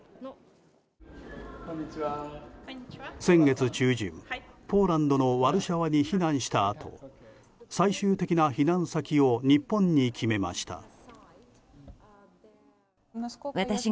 先月中旬、ポーランドのワルシャワに避難したあと最終的な避難先を日本に決めました。